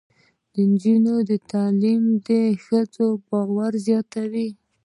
د نجونو تعلیم د ښځو باور زیاتوي.